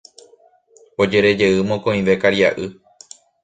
Ojerejey mokõive karia'y.